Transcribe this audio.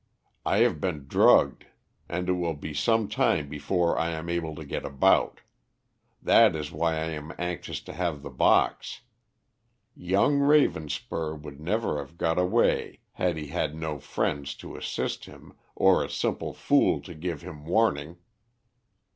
I have been drugged and it will be some time before I am able to get about. That is why I am anxious to have the box. Young Ravenspur would never have got away had he had no friends to assist him or a simple fool to give him warning."